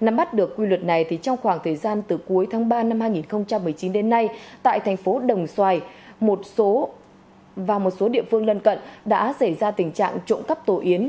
nắm bắt được quy luật này thì trong khoảng thời gian từ cuối tháng ba năm hai nghìn một mươi chín đến nay tại thành phố đồng xoài một số và một số địa phương lân cận đã xảy ra tình trạng trộm cắp tổ yến